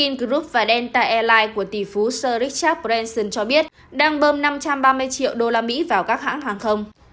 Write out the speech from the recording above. ingroup và delta airlines của tỷ phú sir richard branson cho biết đang bơm năm trăm ba mươi triệu usd vào các hãng hàng không